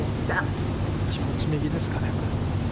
気持ち、右ですかね。